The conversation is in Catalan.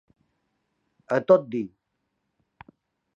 A tot dir.